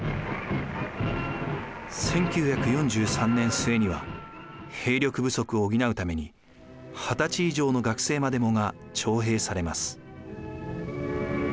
１９４３年末には兵力不足を補うために二十歳以上の学生までもが徴兵されます。